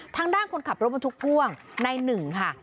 ทางด้านคนขับรถบรรทุกพ่วงในหนึ่งค่ะ